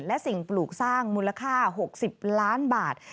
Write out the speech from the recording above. และสิ่งปลูกสร้างมูลค่า๖๐ล้านบาท